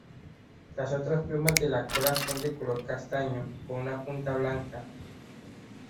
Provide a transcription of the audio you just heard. Las otras plumas de la cola son de color castaño, con una punta blanca.